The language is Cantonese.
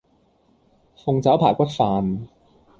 鳳爪排骨飯